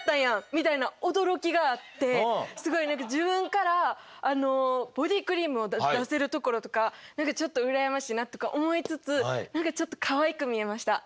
みたいな驚きがあってすごい何か自分からボディークリームを出せるところとか何かちょっと羨ましいなとか思いつつはい。